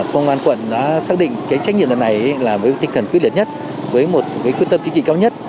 công an quận đã xác định cái trách nhiệm lần này là với tinh thần quyết liệt nhất với một quyết tâm chính trị cao nhất